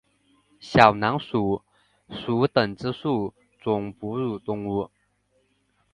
小囊鼠属等之数种哺乳动物。